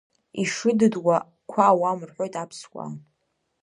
Ишыдыдуа қәа ауам рҳәоит аԥсуаа.